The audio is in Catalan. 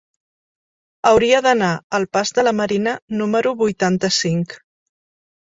Hauria d'anar al pas de la Marina número vuitanta-cinc.